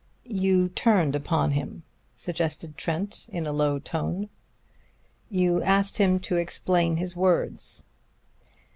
"You turned upon him," suggested Trent in a low tone. "You asked him to explain his words."